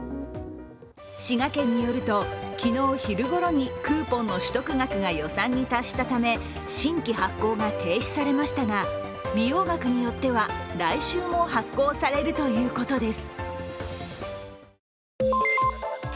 滋賀県によると、昨日昼ごろにクーポンの取得額が予算に達したため新規発行が停止されましたが利用額によっては来週も発行されるということです。